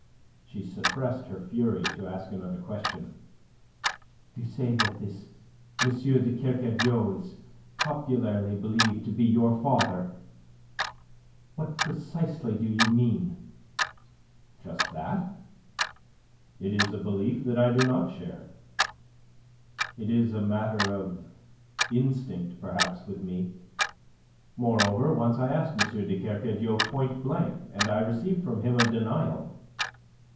She suppressed her fury to ask another question. "You say that this M. de Kercadiou is popularly believed to be your father. What precisely do you mean?" "Just that. It is a belief that I do not share. It is a matter of instinct, perhaps, with me. Moreover, once I asked M. de Kercadiou point blank, and I received from him a denial.